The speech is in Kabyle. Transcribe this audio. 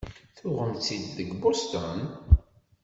Tuɣemt-tt-id deg Boston?